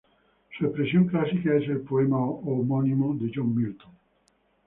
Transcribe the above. Su expresión clásica es el poema homónimo de John Milton.